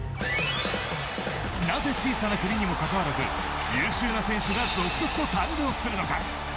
なぜ、小さな国にもかかわらず優秀な選手が続々と誕生するのか。